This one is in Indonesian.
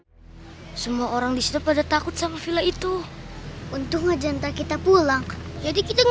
hai semua orang di sini pada takut sama villa itu untuk ngajan tak kita pulang jadi kita